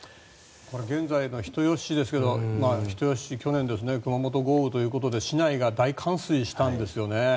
現在の人吉市ですが人吉市、去年熊本豪雨ということで市内が大冠水したんですよね。